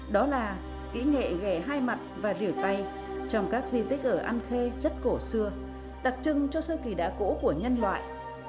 đó là kỹ nghệ ghé hai mặt và rửa tay trong các di tích ở an khê chất cổ xưa đặc trưng cho sơ kỳ đá cũ của nhân loại